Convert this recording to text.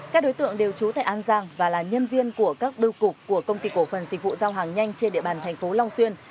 các đối tượng đều trú tại an giang và là nhân viên của các bưu cục của công ty cổ phần dịch vụ giao hàng nhanh trên địa bàn thành phố long xuyên